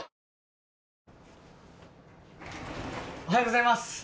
おはようございます